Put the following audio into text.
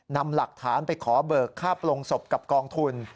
นำหลักฐานไปขอเบิกค่าปลงศพกับกองทุน